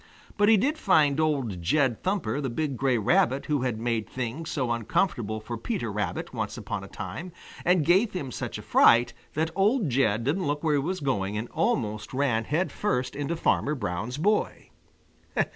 But he did find old Jed Thumper, the big gray Rabbit who had made things so uncomfortable for Peter Rabbit once upon a time, and gave him such a fright that old Jed didn't look where he was going and almost ran headfirst into Farmer Brown's boy.